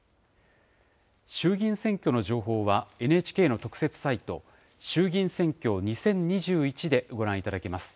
衆議院選挙の情報は、ＮＨＫの特設サイト、衆議院選挙２０２１でご覧いただけます。